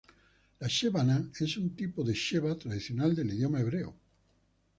La Sheva Na es un tipo de sheva tradicional del idioma hebreo.